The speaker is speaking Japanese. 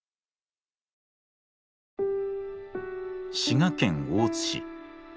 滋賀県大津市。